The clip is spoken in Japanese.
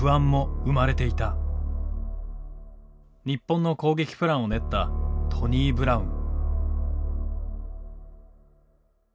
日本の攻撃プランを練ったトニー・ブラウン。